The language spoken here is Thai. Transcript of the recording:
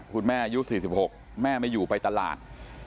คุณแม่ยุค๔๖แม่ไม่อยู่ไปตลาด